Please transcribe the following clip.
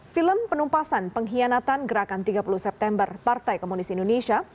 film penumpasan pengkhianatan gerakan tiga puluh september partai komunis indonesia